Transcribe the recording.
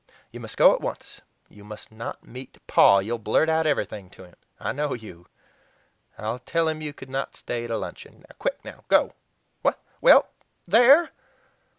You must go at once. You must not meet Paw; you'll blurt out everything to him; I know you! I'll tell him you could not stay to luncheon. Quick, now; go. What? Well there!"